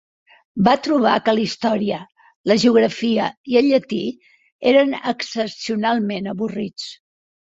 Va trobar que la història, la geografia i el llatí eren excepcionalment avorrits.